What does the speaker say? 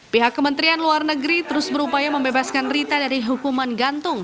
pihak kementerian luar negeri terus berupaya membebaskan rita dari hukuman gantung